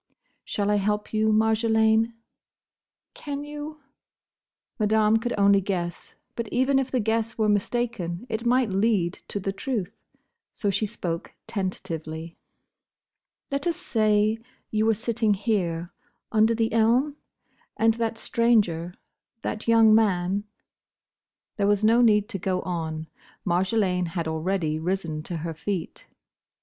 "Shall I help you, Marjolaine?" "Can you?" Madame could only guess; but even if the guess were mistaken, it might lead to the truth. So she spoke tentatively. "Let us say, you were sitting here, under the elm? And that stranger, that young man—" There was no need to go on. Marjolaine had already risen to her feet.